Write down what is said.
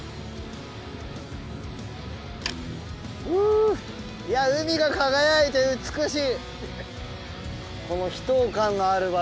ふいや海が輝いて美しい。